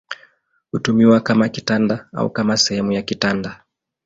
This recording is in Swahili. Hutumiwa kama kitanda au kama sehemu ya kitanda.